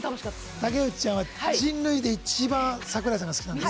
竹内ちゃんは人類で一番桜井さんが好きなんです。